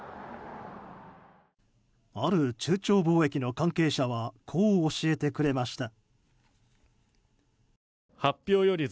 ある中朝貿易の関係者はこう教えてくれました。